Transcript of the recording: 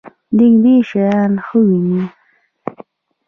نږدې شیان ښه وینئ؟